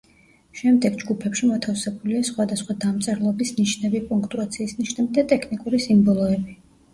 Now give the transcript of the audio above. შემდეგ ჯგუფებში მოთავსებულია სხვადასხვა დამწერლობის ნიშნები, პუნქტუაციის ნიშნები და ტექნიკური სიმბოლოები.